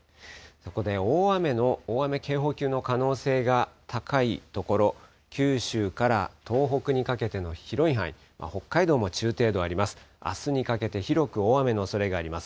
そこで大雨警報級の可能性が高い所、九州から東北にかけての広い範囲、北海道も中程度あります。